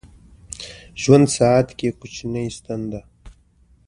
ژوندون ساعت کې کوچنۍ ستن ده